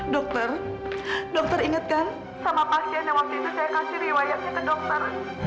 dokter dokter inget kan sama pasien yang waktu itu saya kasih riwayatnya ke dokter